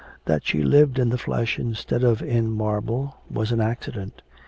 That she lived in the flesh instead of in marble was an accident.